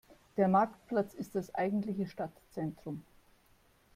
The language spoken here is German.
Der Marktplatz ist das eigentliche Stadtzentrum.